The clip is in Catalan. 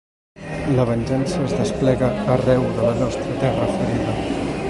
La venjança es desplega arreu de la nostra terra ferida.